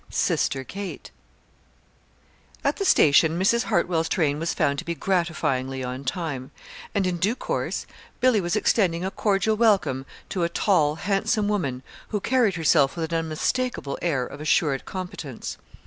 SISTER KATE At the station Mrs. Hartwell's train was found to be gratifyingly on time; and in due course Billy was extending a cordial welcome to a tall, handsome woman who carried herself with an unmistakable air of assured competence.